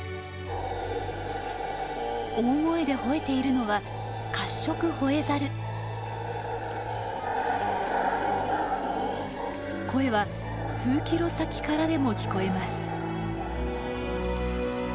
大声でほえているのは声は数キロ先からでも聞こえます。